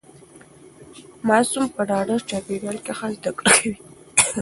ماسوم په ډاډه چاپیریال کې ښه زده کړه کوي.